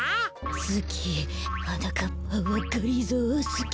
すきはなかっぱはがりぞーをすき。